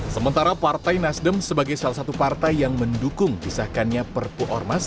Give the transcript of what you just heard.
sementara partai nasdem sebagai salah satu partai yang mendukung pisahkannya perpu ormas